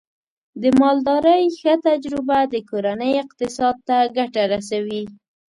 د مالدارۍ ښه تجربه د کورنۍ اقتصاد ته ګټه رسوي.